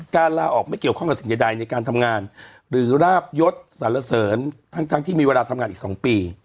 ลาออกไม่เกี่ยวข้องกับสิ่งใดในการทำงานหรือราบยศสารเสริญทั้งที่มีเวลาทำงานอีก๒ปี